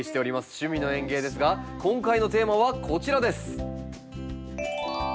「趣味の園芸」ですが今回のテーマはこちらです。